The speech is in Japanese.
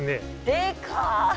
でか！